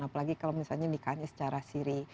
apalagi kalau misalnya ditanya secara siri